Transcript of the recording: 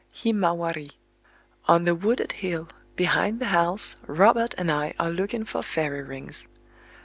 HI MAWARI On the wooded hill behind the house Robert and I are looking for fairy rings.